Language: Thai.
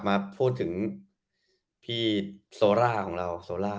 มาพูดถึงที่สโลล่ะของเรา